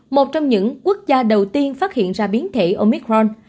một trong những quốc gia đầu tiên phát hiện ra biến thể omicron